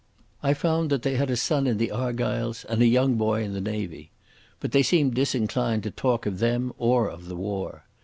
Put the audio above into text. I found they had a son in the Argylls and a young boy in the Navy. But they seemed disinclined to talk of them or of the war.